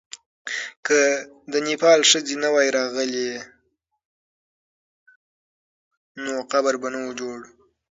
که د نېپال ښځې نه وای راغلې، نو قبر به نه وو جوړ.